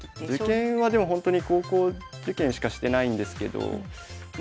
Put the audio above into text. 受験はでもほんとに高校受験しかしてないんですけどまあ